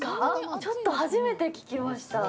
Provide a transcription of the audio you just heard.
ちょっと初めて聞きました。